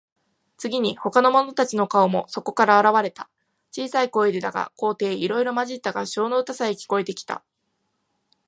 次に、ほかの者たちの顔もそこから現われた。小さい声でだが、高低いろいろまじった合唱の歌さえ、聞こえてきた。